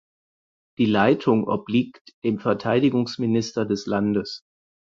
Die Leitung obliegt dem Verteidigungsminister des Landes.